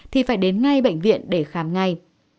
thì phải đến ngay bệnh viện để khám ngay